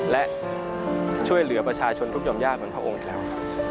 และช่วยเหลือประชาชนทุกยอมยากเหมือนพระองค์อีกแล้วครับ